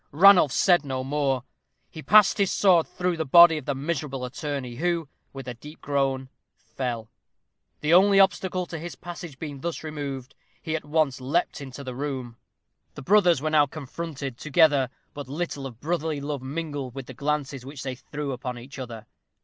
Ranulph said no more. He passed his sword through the body of the miserable attorney, who, with a deep groan, fell. The only obstacle to his passage being thus removed, he at once leaped into the room. The brothers were now confronted, together, but little of brotherly love mingled with the glances which they threw upon each other.